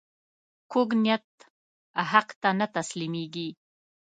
کوږ نیت حق ته نه تسلیمېږي